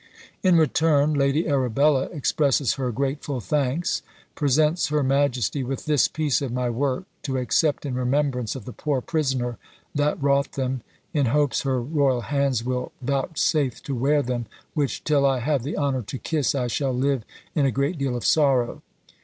In return, Lady Arabella expresses her grateful thanks presents her majesty with "this piece of my work, to accept in remembrance of the poor prisoner that wrought them, in hopes her royal hands will vouchsafe to wear them, which till I have the honour to kiss, I shall live in a great deal of sorrow.